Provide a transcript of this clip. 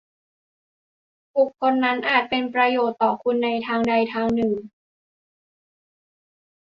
บุคคลนั้นอาจเป็นประโยชน์ต่อคุณในทางใดทางหนึ่ง